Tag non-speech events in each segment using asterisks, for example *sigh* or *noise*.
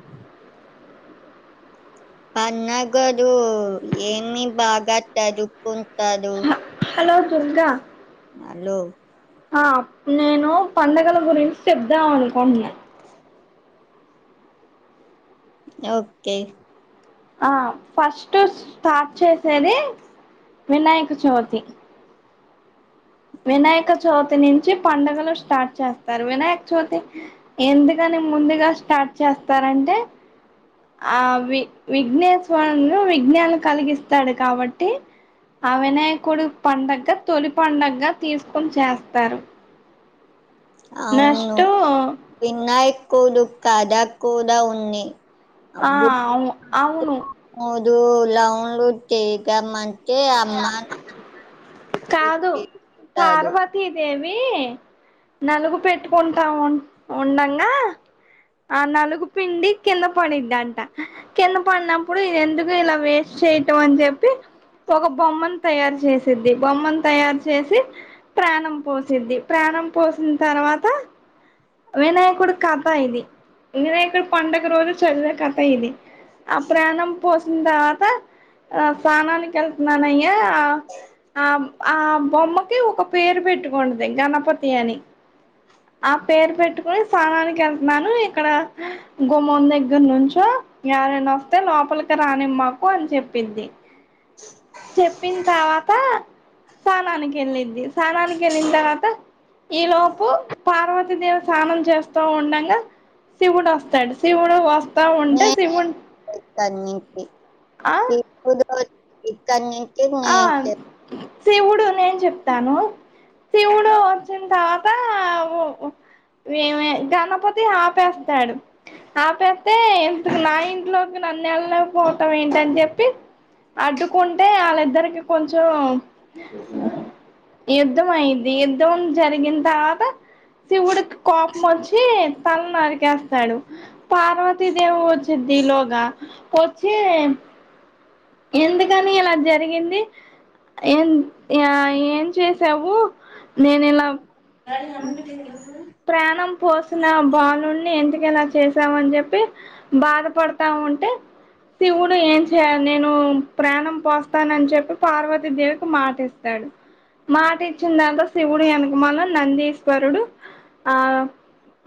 అ పన్నగదు ఏమి బాగా చదువుకు తడు చెప్పురా హల్లో ఆ నేను పండగల గురించి చెప్దాం అనుకుంటున్నా ఓకే ఆ ఫస్ట్ స్టార్ట్ చేసేది వినాయక చవితి. వినాయక చవితి నుంచి పండుగలు స్టార్ట్ చేస్తారు వినాయక చవితి ఎందుకని ముందుగా స్టార్ట్ చేస్తారంటే ఆ వి విఘ్నేశ్వరును విఘ్నాలు కలిగిస్తాడు కాబట్టి ఆ వినాయకుడు పండగ తొలి పండుగగా తీసుకొని చేస్తారు అవును నెక్స్ట్ వినాయక్ కూదు కాదా కూద ఉంది ఆ అవును అవును దు లవన్లు చేగా మం కే అమ్మా కాదు వీనలుగు పెట్టుకుంటా ఉండంగా ఆ నలుగు పిండి కింద పడిద్దంట కింద పడినప్పుడు ఎందుకు ఇలా వేస్ట్ చేయటం అని చెప్పి ఒక బొమ్మను తయారు చేసిద్ది బొమ్మను తయారు చేసి ప్రాణం పోసిద్ది ప్రాణం పోసిన తర్వాత వినాయకుడు కథ ఇది వినాయకుడు పండుగ రోజు చంద్రుని కథ ఇది అ ప్రాణం పోస్ వచ్చిన తర్వాత ఆ స్నానానికి వెళ్తున్నానయ్యా ఆ ఆ బొమ్మకి ఒక పేరు పెట్టుకుంటది గణపతి అని ఆ పేరు పెట్టుకుని స్నానానికి వెళ్తన్నాను ఇక్కడ గుమ్మం దగ్గర నుంచో ఎవరైనా వస్తే లోపలికి రానిమాకు అని చెప్పిద్ది. చెప్పింతర్వాత స్నానానికి వెళ్ళిద్ది. స్నానానికి వెళ్ళిన తర్వాత ఈ లోపు పార్వ తిదేవి స్నానం చేస్తూ ఉండంగా శివుడు వస్తాడు శివుడు వస్ తే ఉంటే నేను శివుడి ని ఇక్కడి నుంచి ఆ ఇక్కన్ని ఆ శివుడు నేను చెప్తాను శివుడు వచ్చిన తర్వాత ఓ గణపతి ఆపేస్తాడు ఆపేస్తే ఇకు నా ఇంట్లోకి నన్ను వెళ్లలేక పోవటం ఏంటని చెప్పి అడ్డుకుంటే వాళ్ళ ఇద్దరికి కొంచెం యుద్ధం అయిద్ది యుద్ధం జరిగిన తర్వాత శివుడు కి కోపం వచ్చి తల నరికేస్తాడు పార్వతిదేవి వచింద్ది ఇలోగా వచ్చి ఎందుకని ఇలా జరిగిం ఎం ఎం చేసావు నేను ఇలా అ అం ప్రాణం పోసిన బా వాలుని ఎందుకు ఇలా చేసామని చెప్పి బాధపడతా ఉంటే శివుడు ఏం చేయలా నేను ప్రాణం పోస్తానని చెప్పి పార్వతీ దేవికి మాట ఇస్తాడు మాట ఇచ్చిన దాంతో శివుడు వెనక మాల నందీశ్వరుడు ఆ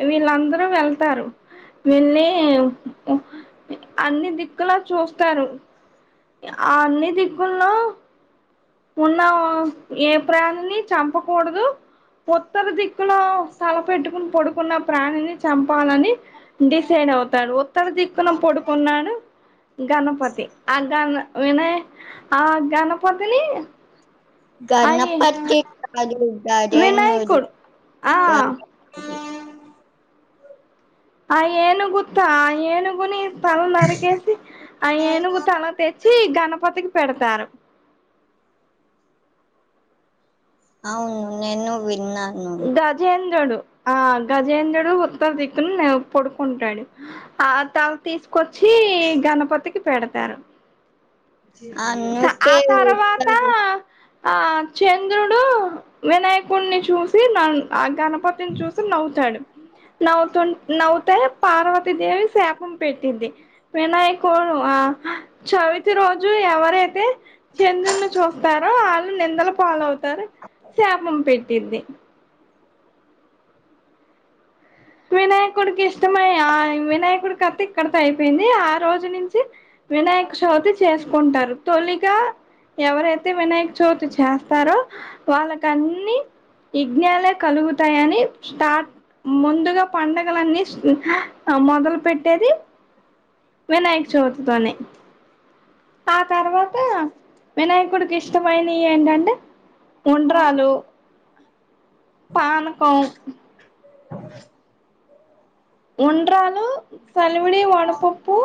వీళ్ళందరూ వెళ్తారు వెళ్లి అన్ని దిక్కులా చూస్తారు అన్ని దిక్కులో ఉన్న ఏ ప్రాణిని చంపకూడదు ఉత్తర దిక్కులో తలపెట్టుకుని పడుకున్న ప్రాణిని చంపాలని డిసైడ్ అవుతాడు ఉత్తర దిక్కున పడుకున్నాడు గణపతి ఆ గణ వినయ ఆ గణపతిని అయి గణపతి కాదు అదేన్నడు వినాయకుడు ఆ గణపతి ఆ ఏనుగు గు ఆ ఏనుగుని తల నరికేసి ఆ ఏనుగు తల తెచ్చి గణపతికి పెడతారు అవును నెను వి గజేంద్రుడు ఆ గజేంద్రుడు ఉత్తర దిక్కున పడుకుంటాడు ఆ తల తీసుకొచ్చి గణపతికి పెడతారు ఆ అందుకె తర్వాత *unintelligible* ఆ చంద్రుడు వినాయకుడిని చూసి న గణపతిని చూసి నవ్వుతాడు నవ్వుతుం నవ్వు పార్వతీదేవి శాపం పెట్టింది వినాయకుడు ఆ చవితి రోజు ఎవరి రైతే చంద్రున్ని చూస్తారో వాళ్ళు నిందల పాలవుతారు శాపం పెట్టింది వినాయకుడికి ఇష్టమై ఆ వినాయకుడి కథ ఇక్కడతో అయిపోయింది ఆ రోజు నుంచి వినాయక చవితి చేసుకుంటారు తొలిగా ఎవరైతే వినాయక చవితి చేస్తారో వాళ్ళకన్ని విజ్ఞాలే కలుగుతాయని స్టార్ట్ ముందు పండగలన్నీ మొదలు పెట్టేది వినాయక చవితితోనే ఆ తర్వాత వినాయకుడికి ఇష్టమైనయ్ ఏంటంటే ఉండ్రాళ్ళు పానకం అ ఉండ్రాళ్ళు సలివిడి వడపప్పు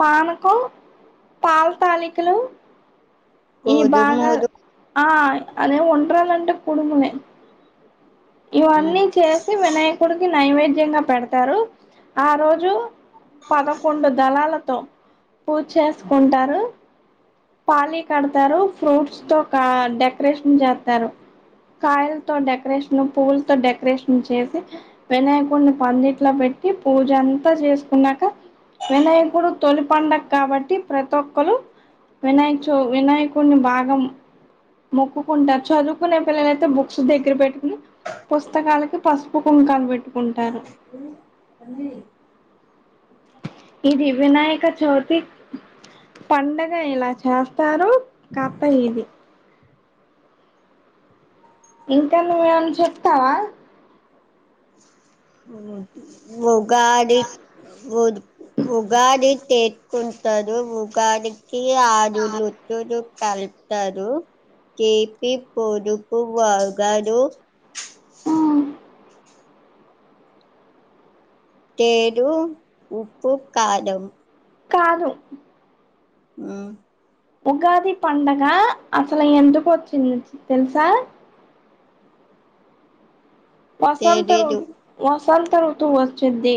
పానకం పాలతాలి హలో ఈ భాగా ఆ అదే ఉండ్రాలంటే కుడుములే ఇవన్నీ చేసి వినాయకుడికి నైవేద్యంగా పెడతారు ఆ రోజు పదకొండు దళాలతో పూజ చేసుకుంటారు పాలి కడతారు ఫ్రూట్స్ తో కా డెకరేషన్ చేత్తారు కాయలతో డెకరేషను పువ్వులతో డెకరేషను చేసి వినాయకుడిని పందిట్లో పెట్టి పూజ అంతా చేసుకున్నాక వినాయకుడు తొలి పండగ కాబట్టి ప్రతి ఒక్కలు వినాయక చ వినాయకుడిని బాగా మొక్కుకుంటారు చదువుకునే పిల్లలైతే బుక్స్ దగ్గర పెట్టుకుని పుస్తకాలకి పసుపు కుంకాలు పెట్ పెట్టుకుంటారు ఇది వినాయక చవితి పండగ ఎలా చాస్ తారు కథ ఇది ఇంకా నువ్వేమన్న చెప్తావా గాది ఉగాది చేసుకుంటారు ఉగాది ఇ ఆజులు జు జు కలుపుతారు తీపి పొదుపు వగరు తేరు ఉప్పు కారం కాదు హ్మ్ ఉగాది పండగ అసలు ఎందుకు వచ్చింది తెలుసా వసంతం తెలీదు వస్ వసంత రుతువు వచ్చింది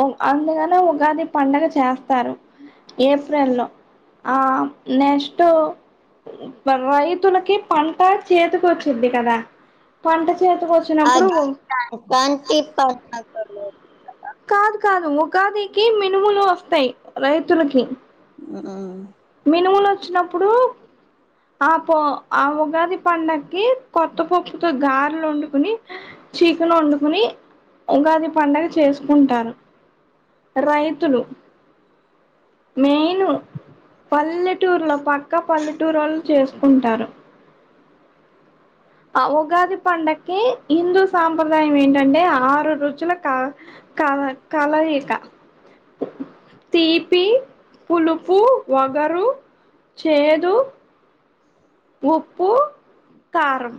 ఉ అందుకనే ఉగాది పండగ చేస్తారు ఏప్రల్ లో ఆ నెక్స్ట్ రైతులకి పంట చేతికి వచ్చిద్ది కదా పంట చేతికొ అది సంక్రాంతి పండగ కదా కాదు కాదు ఉగాదికి మినుములు వస్తాయి రైతులకి హ్మ్ మినుములు వచ్చినప్పుడు ఆ పో ఆ ఉగాది పండగకి కొత్త పప్పుతో గారెలు వండుకుని చికెన్‌ వండుకుని ఉగాది పండుగ చేసుకుంటారు రైతులు మెయిను పల్లెటూరులో పక్కా పల్లెటూరోళ్ళు చేసుకుంటారు ఆ ఉగాది పండక్కి హిందూ సాంప్రదాయం ఏంటంటే ఆరు రుచుల క కల కలయిక తీపి పులుపు వగరు చేదు ఉప్పు కారం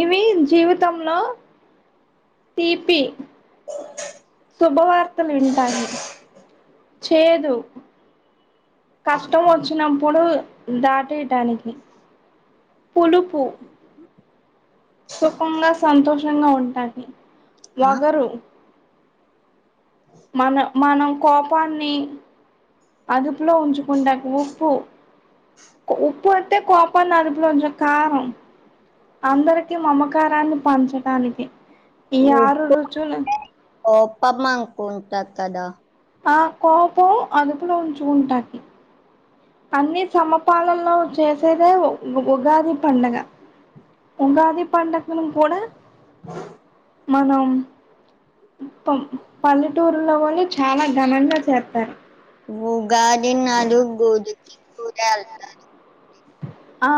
ఇవి జీవితంలో తీపి శుభవార్తలు వింటాని చేదు కష్టం వచ్చినప్పుడు దా *unintelligible* పులుపు కు సుఖంగా సంతోషంగా ఉం కాని వగరు మన మనం కోపాన్ని అదుపులో ఉంచుకుంటాకి ఉప్పు ఉప్పు అంటే కోపాన్ని అదుపులో ఉంచ కారం అందరికీ మమకారాన్ని పంచటానికి ఈ ఆరు ఉప్పు రుచులు ఓప్ప మాంకు తత్తడా ఆ కోపం అదుపులో ఉంచు ఉంటాకి అన్ని సమపాళ్ళలో చేసేదే ఉ ఉగాది పండగ ఉగాది పండుగని కూడ మనం మొత్తం పల్లెటూరులో వోన్ని చాలా ఘనంగా చేత్తారు. ఉగాది నలు గు *unintelligible* కూడా వెళ్తాను ఆ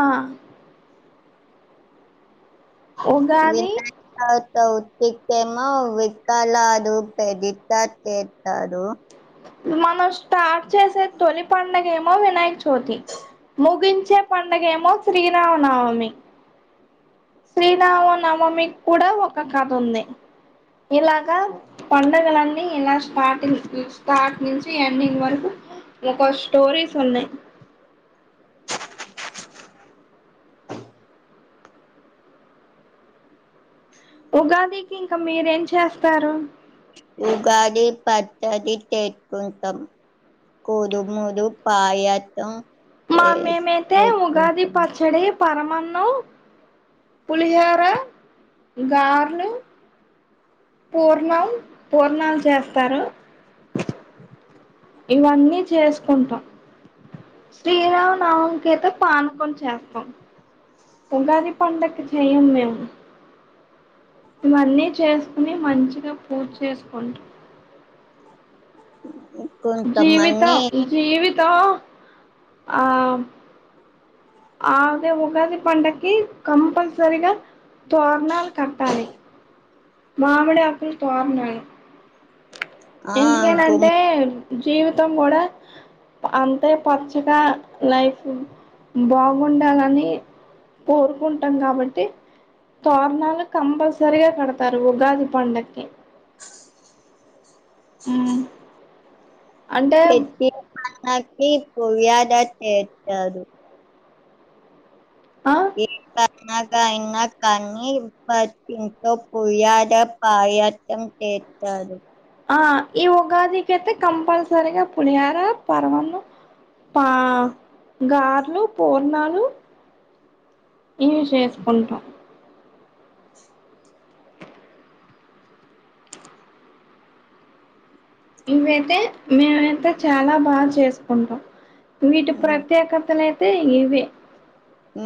ఉగాది చౌతికేమో వికాలదు పెదిద్ద చేత్తారు. మనం స్టార్ట్ చేసే తొలి పండగేమో వినాయకచవితి ముగించే పండుగ ఏమో శ్రీరామనవమి. శ్రీరామనవమికి కూడా ఒక కథ ఉంది. ఇలాగా పండుగలన్నీ ఇలా స్టార్టింగ్ స్టార్ట్ నుంచి ఎండింగ్ వరకు ఒక స్టోరీస్ ఉన్నాయి. ఉగాదికి ఇంక మీరేం చేస్తారు తది తెేట్టుకుంటాం కూదుముదు పాయత్తం మా మేమయితే ఉగాది పచ్చడి పరమన్నం పులిహార, గార్లు పూర్ణం పూర్ణాలు చేస్తారు. ఇవన్నీ చేసుకుంటాం. శ్రీరామనవమికి అయితే పానకం చేస్తాం. ఉగాది పండక్కి చెయ్యం మేము ఇవన్నీ చేసుకుని మంచిగా పూజ చేసుకుంటాం. జీవితం కొంతమంది జీవి త ఆ ఆదే ఉగాది పండకి కంపల్సరీ గా తోరణాలు కట్టాలి మామిడాకుల తోరణాలు ఆ ఎందుకని గుమ్మ అంటే జీవితం గూడా అంతే పచ్చగా లైఫ్ బాగుండాలని కోరుకుంటాం గాబట్టి తారణాలు కంపల్సరిగా కడతారు ఉగాది పండక్కి ఉ పెద్ధి *inaudible* ఆ ఏ అగా అయినా కానీట్ పుయాద పాయం చేస్తడు ఆ ఈ ఉగాదికి అయితే కంపల్సరిగా పులిహార పరమాన్నం పా గార్లు పూర్ణాలు ఇవి చేసుకుంటాం ఇవైతే మేమైతే చాలా బాగా చేసుకుంటాం వీటి ప్రత్యేకతలే ఇవే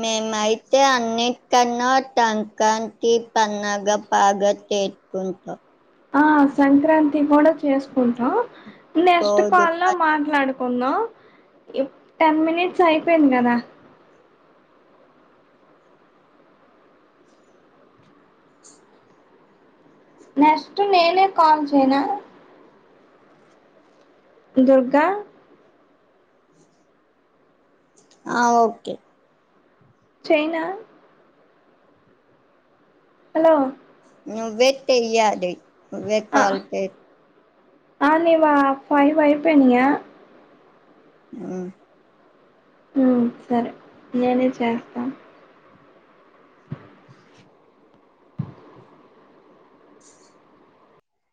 మేమైతే అన్నిటికన్నా సంకన్కి పన్నగ బాగా తేసుకుంటాం ఆ సంక్రాంతి కూడా చేసుకుంటాం నెక్స్ట్ కోడి కాల్ ప లో మాట్లాడుకుందాం టెన్ మినిట్స్ అయిపోయింది గదా నెక్స్ట్ నేనే కాల్ చేయనా దుర్గా ఆ ఓకే చైనా హలో నువ్వే తియ్యాలి వ్వే ఆ కాల్చేయ్ ఆ నీవా ఫైవేపేనియా ఆ ఊ సరే నేనే చేస్తాను